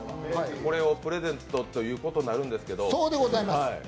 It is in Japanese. これをプレゼントということになるんですけど。